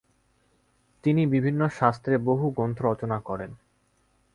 তিনি বিভিন্ন শাস্ত্রে বহু গ্রন্থ রচনা করেন।